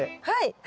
はい。